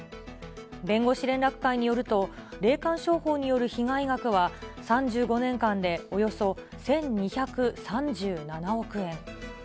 弁護士連絡会によると、霊感商法による被害額は３５年間でおよそ１２３７億円。